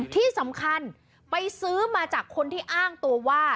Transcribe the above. ที่สำคัญไปซื้อมาจากคนที่อ้างตัวว่า